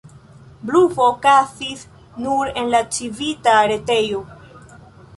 Blufo okazis nur en la Civita retejo.